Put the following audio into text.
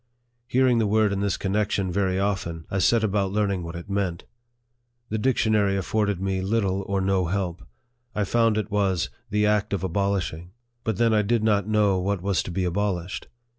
Hearing the word in this connection very often, I set about learning what it meant. The dictionary afforded me little or no help. I found it was u the act of abolishing ;" but then I did not know what was to be abolished.